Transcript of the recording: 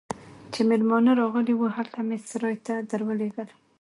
چې مېلمانه راغلي وو، هلته مې سرای ته درولږل.